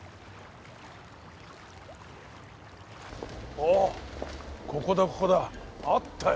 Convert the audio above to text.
おっここだここだ！あったよ！